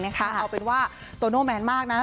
เอาเป็นว่าโตโน่แมนมากนะ